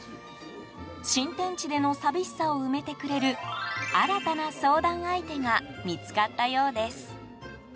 新天地での寂しさを埋めてくれる新たな相談相手が見つかったようです。